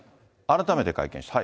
改めて会見した？